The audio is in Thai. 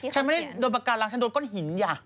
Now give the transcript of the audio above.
ฉันไม่ได้โดนปากการังฉันโดนก้อนหินอ่ะ